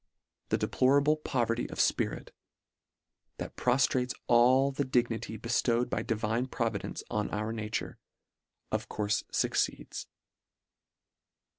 The deplorable poverty of fpirit, that proftrates all the dignity beftowed by divine providence on our nature — of courfe fucceeds.